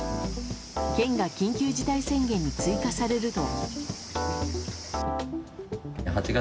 県が緊急事態宣言に追加されると。